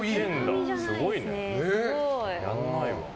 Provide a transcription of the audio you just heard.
やんないわ。